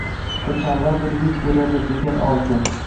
“qachonlardir yuz beradi” – degan orzu.